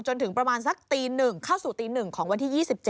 จนถึงประมาณสักตี๑เข้าสู่ตี๑ของวันที่๒๗